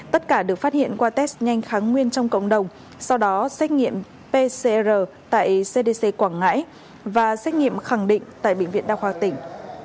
tất cả được phát hiện qua test nhanh kháng nguyên trong cộng đồng sau đó xét nghiệm pcr tại cdc quảng ngãi và xét nghiệm khẳng định tại bệnh viện đa khoa tỉnh